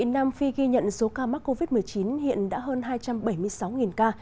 nam phi ghi nhận số ca mắc covid một mươi chín hiện đã hơn hai trăm bảy mươi sáu ca